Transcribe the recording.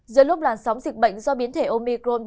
giữa lúc làn sóng dịch bệnh do biến thể omicron